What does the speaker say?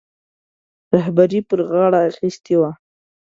رهبري پر غاړه اخیستې وه.